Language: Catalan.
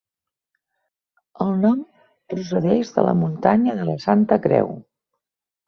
El nom procedeix de la Muntanya de la Santa Creu.